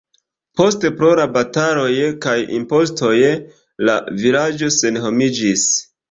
Poste pro la bataloj kaj impostoj la vilaĝo senhomiĝis.